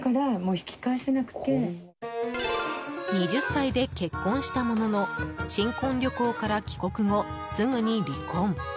２０歳で結婚したものの新婚旅行から帰国後すぐに離婚。